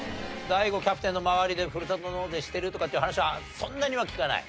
ＤＡＩＧＯキャプテンの周りでふるさと納税してるとかっていう話はそんなには聞かない？